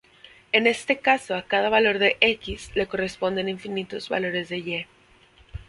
En este caso a cada valor de "x" le corresponden infinitos valores de "y".